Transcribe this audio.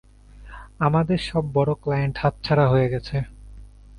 আমাদের সব বড় ক্লায়েন্ট হাতছাড়া হয়ে গেছে।